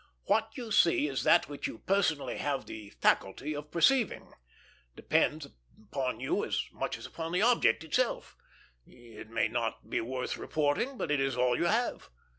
What you see is that which you personally have the faculty of perceiving; depends upon you as much as upon the object itself. It may not be worth reporting, but it is all you have.